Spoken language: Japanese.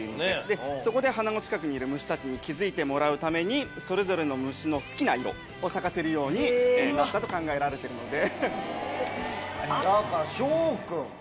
そこで花の近くにいる虫たちに気付いてもらうためにそれぞれの虫の好きな色を咲かせるようになったと考えられてるので。